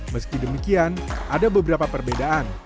meski demikian ada beberapa perbedaan